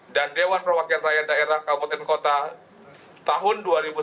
dan dewan perwakilan rakyat daerah kabupaten kota tahun dua ribu sembilan belas